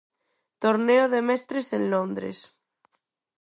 Torneo de Mestres en Londres.